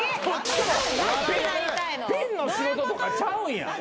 ピンの仕事とかちゃうんや。